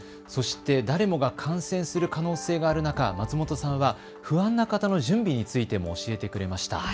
そして誰もが感染する可能性がある中、松本さんは不安な方の準備についても教えてくれました。